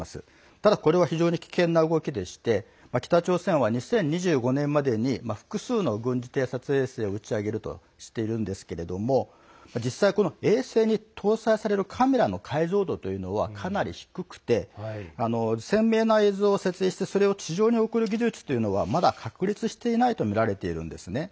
ただ、これは非常に危険な動きでして北朝鮮は２０２５年までに複数の軍事偵察衛星を打ち上げるとしてるんですけども実際、衛星に搭載されるカメラの解像度というのはかなり低くて鮮明な映像を撮影してそれを地上に送る技術というのはまだ確立していないとみられてるんですね。